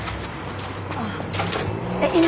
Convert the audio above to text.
ああえっ今？